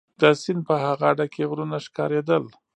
د سیند په ها غاړه کي غرونه ښکارېدل.